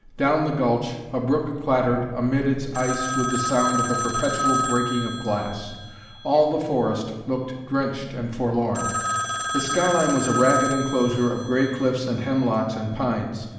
Down the gulch a brook clattered amid its ice with the sound of a perpetual breaking of glass. All the forest looked drenched and forlorn. The sky line was a ragged enclosure of gray cliffs and hemlocks and pines.